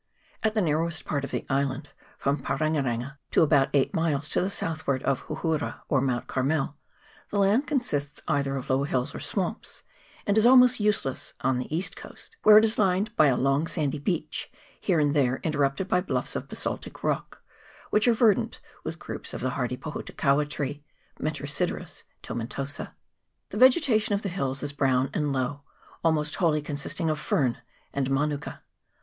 AT the narrowest part of the island, from Parenga renga to about eight miles to the southward of Houhoura, or Mount Carmel, the land consists either of low hills or swamps, and is almost useless on the east coast, where it is lined by a long sandy beach, here and there interrupted by bluffs of ba saltic rock, which are verdant with groups of the hardy pohutukaua tree (Metrosideros tomentosa). The vegetation of the hills is brown and low, almost wholly consisting of fern and manuka.